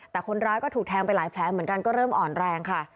แต่คนร้ายก็ถูกแทงไปหลายแผลเหมือนกันก็เริ่มอ่อนแรงค่ะ